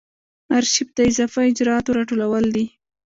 آرشیف د اضافه اجرااتو راټولول دي.